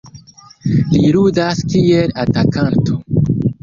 Li ludas kiel atakanto.